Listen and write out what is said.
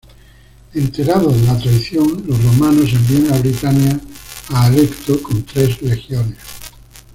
Enterados de la traición, los romanos envían a Britania a Alecto con tres legiones.